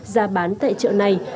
ra bán tại chợ này